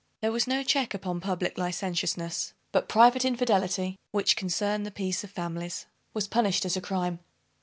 There was no check upon public licentiousness; but private infidelity, which concerned the peace of families, was punished as a crime.